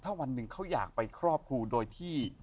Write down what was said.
ถ้าวันหนึ่งเขาอยากไปครอบครูโดยที่